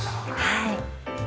はい。